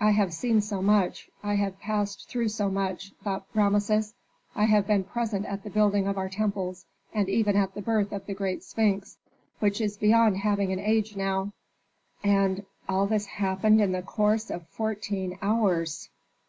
"I have seen so much. I have passed through so much," thought Rameses. "I have been present at the building of our temples, and even at the birth of the great sphinx, which is beyond having an age now, and all this happened in the course of fourteen hours."